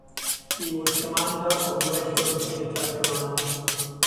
He was commander of the Western Theater Command.